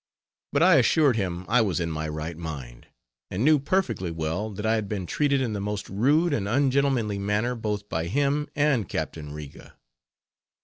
But I assured him I was in my right mind, and knew perfectly well that I had been treated in the most rude and un gentlemanly manner both by him and Captain Riga.